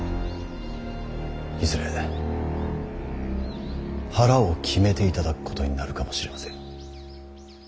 いずれ腹を決めていただくことになるかもしれません。